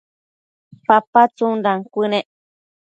papa tsundan cuënec